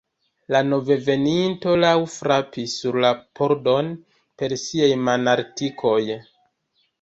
La noveveninto laŭte frapis sur la pordon per siaj manartikoj.